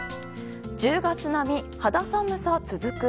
１０月並み、肌寒さ続く。